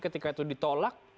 ketika itu ditolak